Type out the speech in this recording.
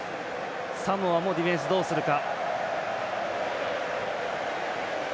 サモアもディフェンスどうするか。